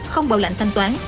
không bảo lãnh thanh toán